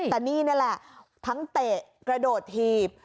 แต่นี่นี่แหละทั้งเตะกระโดดถีบ